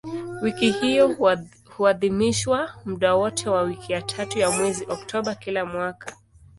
Wiki hiyo huadhimishwa muda wote wa wiki ya tatu ya mwezi Oktoba kila mwaka.